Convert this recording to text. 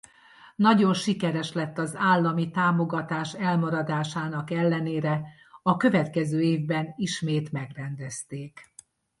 Nagyon sikeres lett az állami támogatás elmaradásának ellenére a következő évben ismét megrendezték.